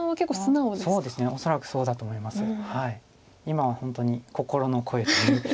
今は本当に心の声が。